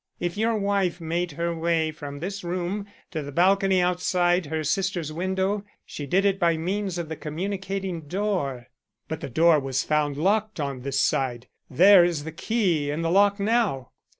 If your wife made her way from this room to the balcony outside her sister's window, she did it by means of the communicating door." "But the door was found locked on this side. There is the key in the lock now."